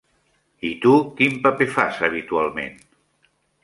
I tu, quin paper fas habitualment?